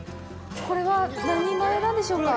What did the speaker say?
これは何人前なんでしょうか。